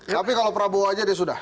tapi kalau prabowo aja dia sudah